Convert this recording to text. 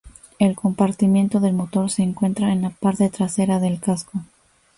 El compartimiento del motor se encuentra en la parte trasera del casco.